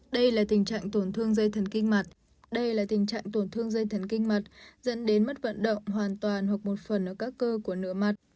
đây là tình trạng tổn thương dây thần kinh mặt dẫn đến mất vận động hoàn toàn hoặc một phần ở các cơ của nửa mặt